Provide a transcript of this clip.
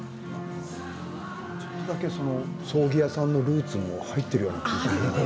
ちょっとだけ葬儀屋さんのルーツも入っているような感じね。